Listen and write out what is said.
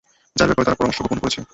যার ব্যাপারে তারা গোপন পরামর্শ করছে।